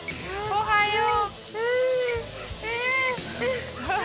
おはよう。